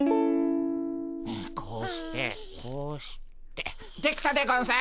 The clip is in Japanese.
こうしてこうしてできたでゴンス。